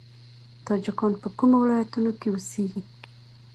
تاجکان په کومو ولایتونو کې اوسیږي؟